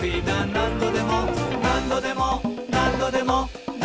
「なんどでもなんどでもなんどでも」